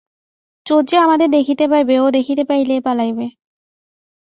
চোর যে আমাদের দেখিতে পাইবে ও দেখিতে পাইলেই পলাইবে।